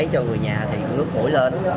thì nước mũi lên